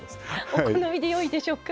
お好みでよいでしょうか。